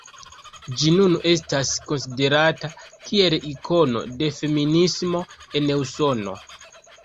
Ĝi nun estas konsiderata kiel ikono de feminismo en Usono.